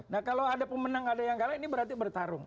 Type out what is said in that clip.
nah kalau ada pemenang ada yang kalah ini berarti bertarung